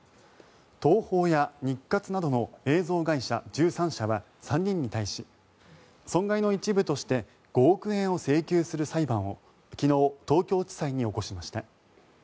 東宝や日活などの映像会社１３社は３人に対し損害の一部として５億円を請求する裁判を昨日、東京地裁に起こしました。